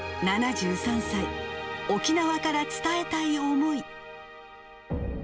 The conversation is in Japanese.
７３歳・沖縄から伝えたい思い。